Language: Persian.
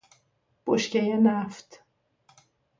بشکه نفت